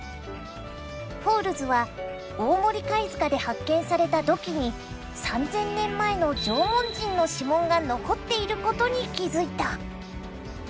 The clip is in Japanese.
フォールズは大森貝塚で発見された土器に３，０００年前の縄文人の指紋が残っていることに気付いた！